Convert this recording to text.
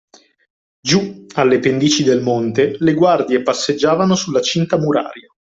Giù, alle pendici del monte, le guardie passeggiavano sulla cinta muraria